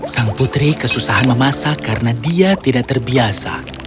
sang putri kesusahan memasak karena dia tidak terbiasa